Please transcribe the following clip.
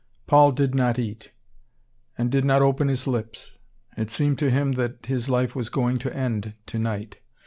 Paul did not eat, and did not open his lips. It seemed to him that his life was going to end to night.